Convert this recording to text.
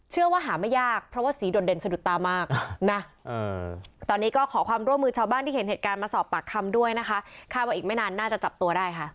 เชื่อว่าหาไม่ยากเพราะว่าสีด่วนเด่นสะดุดตามากนะคะ